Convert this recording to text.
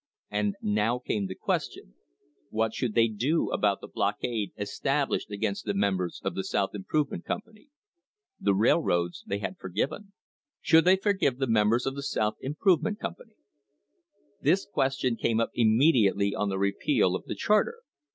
And now came the question, What should they do about the blockade established against the members of the South Improvement Company? The railroads they had forgiven; should they forgive the members of the South Improvement . THE OIL WAR OF 1872 Company? This question came up immediately on the repeal of the charter.